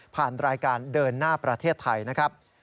ผ่านรายการเดินหน้าประเทศไทยนะครับ